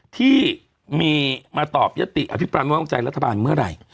ที่มีมาตอบยติอภิปรายไม่วางใจรัฐบาลเมื่อไหร่